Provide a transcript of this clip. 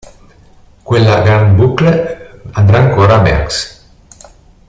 Quella "Grande Boucle" andrà ancora a Merckx.